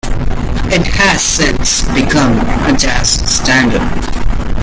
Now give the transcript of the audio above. It has since become a jazz standard.